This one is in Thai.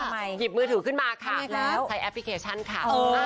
หยิบมือถือขึ้นมาค่ะแล้วใช้แอปพลิเคชันค่ะ